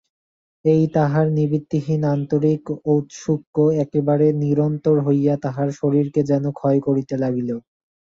এই তাহার নিবৃত্তিহীন আন্তরিক ঔৎসুক্য একেবারে নিরন্তর হইয়া তাহার শরীরকে যেন ক্ষয় করিতে লাগিল।